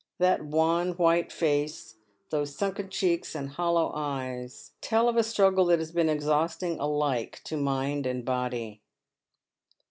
That wan wliite face, those sunken cheeks and hollow eyes, tell of a struggle that has been exhausting alike to mind and body.